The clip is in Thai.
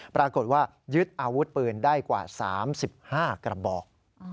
ปรากฏว่ายึดอาวุธปืนได้กว่า๓๕กระบอก